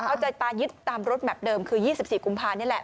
เอาใจตายึดตามรถแมพเดิมคือ๒๔กุมภานี่แหละ